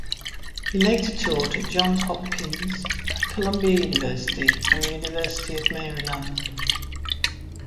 He later taught at Johns Hopkins, Columbia University, and the University of Maryland.